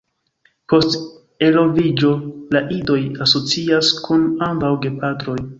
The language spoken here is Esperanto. Post eloviĝo, la idoj asocias kun ambaŭ gepatroj.